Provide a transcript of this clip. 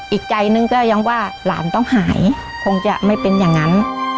อีกใจนึงก็ยังว่าหลานต้องหายคงจะไม่เป็นอย่างนั้น